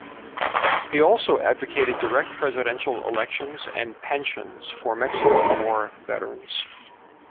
He also advocated direct presidential elections and pensions for Mexican War veterans.